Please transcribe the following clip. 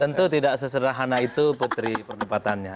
tentu tidak sesederhana itu putri perdebatannya